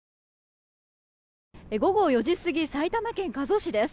午後４時過ぎ埼玉県加須市です。